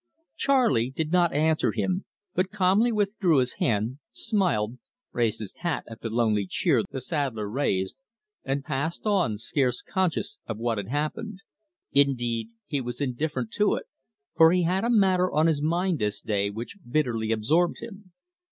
Charley did not answer him, but calmly withdrew his hand, smiled, raised his hat at the lonely cheer the saddler raised, and passed on, scarce conscious of what had happened. Indeed he was indifferent to it, for he had a matter on his mind this day which bitterly absorbed him.